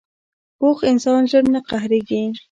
پوخ انسان ژر نه قهرېږي